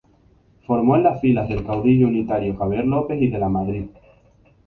Formó en las filas del caudillo unitario Javier López y de Lamadrid.